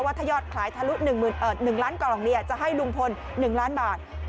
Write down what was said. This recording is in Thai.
วัตถยอดขายทะลุหนึ่งหมื่นเอ่อหนึ่งล้านกล่องเนี้ยจะให้ลุงพลหนึ่งล้านบาท